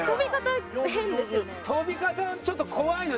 跳び方ちょっと怖いの。